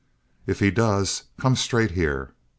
"If he does, come straight here.